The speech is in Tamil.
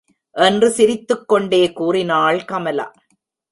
என்று சிரித்துக்கொண்டே கூறினாள் கமலா.